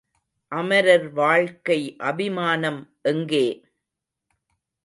அமரர் வாழ்க்கைஅபி மானம்எங்கே?